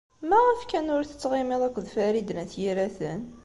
Maɣef kan ur tettɣimiḍ akked Farid n At Yiraten?